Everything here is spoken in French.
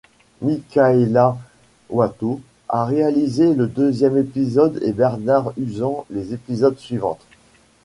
Michaëla Watteaux a réalisé le deuxième épisode et Bernard Uzan les épisodes suivantes.